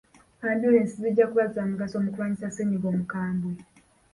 Ambyulensi zijja kuba za mugaso mu kulwanyisa Ssennyinga omukabwe.